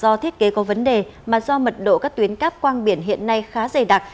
do thiết kế có vấn đề mà do mật độ các tuyến cáp quang biển hiện nay khá dày đặc